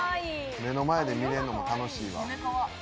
目の前で見れんのも楽しいわ。